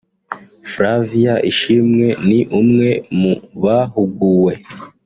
Flavia Ishimwe ni umwe mu bahuguwe